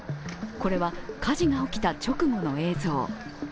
これは火事が起きた直後の映像。